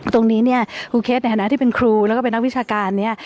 ตรงนี้เนี่ยครูเคสในฐานะที่เป็นครูแล้วก็เป็นนักวิชาการเนี่ย